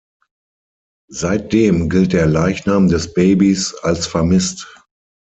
Seitdem gilt der Leichnam des Babys als vermisst.